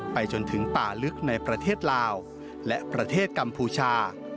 ไปจนถึงป่าลึกในประเทศลาวและประเทศกัมพูชา